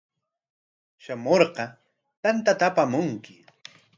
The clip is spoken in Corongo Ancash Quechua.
Shamurqa tantata apamunki.